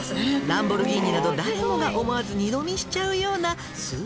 「ランボルギーニなど誰もが思わず二度見しちゃうような」